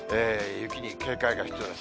雪に警戒が必要です。